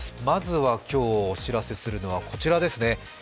まずは今日お知らせするのは、こちらです。